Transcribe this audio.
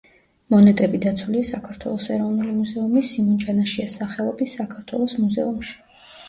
მონეტები დაცულია საქართველოს ეროვნული მუზეუმის სიმონ ჯანაშიას სახელობის საქართველოს მუზეუმში.